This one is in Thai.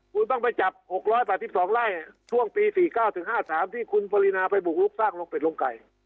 คุณต้องไปจับ๖๘๒ไร่ช่วงปี๔๙๕๓ที่คุณปรินาไปบุกลุกสร้างลงเป็ดลงไก่